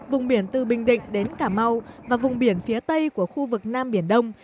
vùng biển từ bình định đến cả mâu và vùng biển phía tây của khu vực nam biển đông